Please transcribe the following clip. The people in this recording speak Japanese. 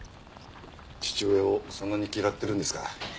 父親をそんなに嫌っているんですか。